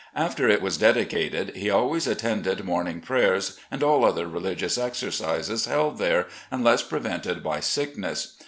After it was dedicated, he al^ways attended morning prayers and all other religious exercises held there, tmless prevented by sickness.